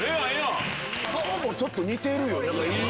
顔もちょっと似てるよ。